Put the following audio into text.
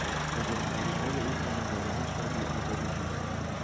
بزهکاریهای او خانوادهاش را بیآبرو کرد.